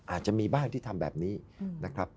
อาจจะมีบ้างที่ทำแบบนี้นะครับ